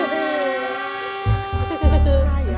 pak pati senang